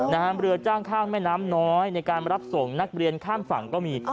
เรือจ้างข้ามแม่น้ำน้อยในการรับส่งนักเรียนข้ามฝั่งก็มี